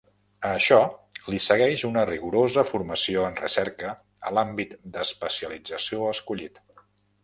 A això li segueix una rigorosa formació en recerca a l'àmbit d'especialització escollit.